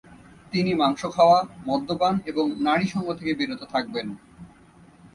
তিনি মাংস খাওয়া, মদ্যপান এবং নারীসঙ্গ থেকে বিরত থাকবেন।